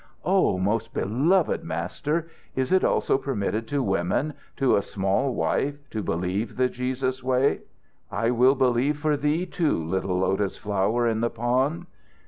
"Oh, most beloved Master, is it also permitted to women, to a small wife, to believe the Jesus way?" "I will believe for thee, too, little Lotus Flower in the Pond."